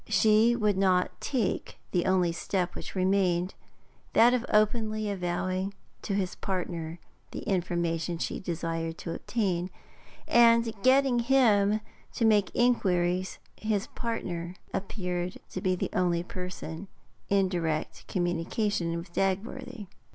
She would not take the only step which remained, that of openly avowing to his partner the information she desired to obtain, and getting him to make inquiries his partner appeared to be the only person in direct communication with Dagworthy.